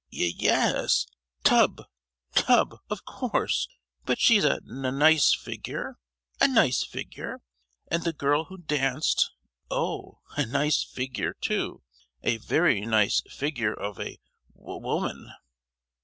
"Ye—yes, tub—tub, of course! but she's a n—nice figure, a nice figure! And the girl who danced—oh! a nice figure too, a very nice figure of a wo—woman!"